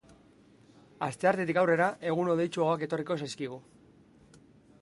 Asteartetik aurrera egun hodeitsuagoak etorriko zaizkigu.